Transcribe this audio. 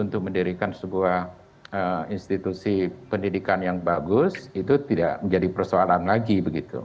untuk mendirikan sebuah institusi pendidikan yang bagus itu tidak menjadi persoalan lagi begitu